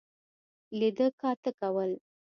لیده کاته کول.